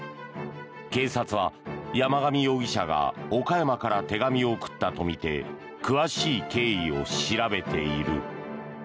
警察は山上容疑者が岡山から手紙を送ったとみて詳しい経緯を調べている。